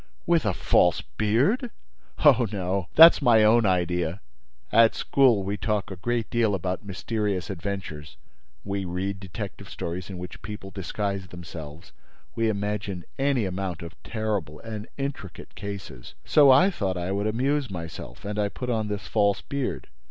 "With a false beard?" "Oh, no! That's my own idea. At school, we talk a great deal about mysterious adventures; we read detective stories, in which people disguise themselves; we imagine any amount of terrible and intricate cases. So I thought I would amuse myself; and I put on this false beard.